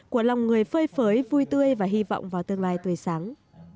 của lòng người phơi phới vui tươi và hy vọng vào tương lai tươi sáng